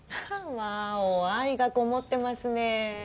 ワオ愛がこもってますね。